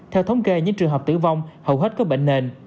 theo thống kê những trường hợp tử vong hầu hết các bệnh nền